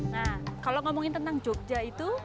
nah kalau ngomongin tentang jogja itu